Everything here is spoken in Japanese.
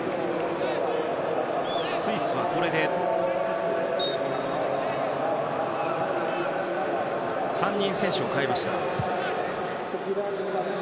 スイスはこれで３人選手を代えました。